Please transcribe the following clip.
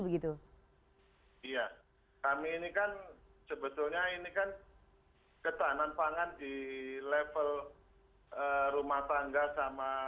begitu iya kami ini kan sebetulnya ini kan ketahanan pangan di level rumah tangga sama